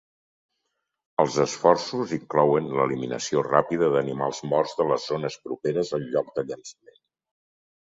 Els esforços inclouen l'eliminació ràpida d'animals morts de les zones properes al lloc de llançament.